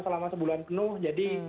selama sebulan penuh jadi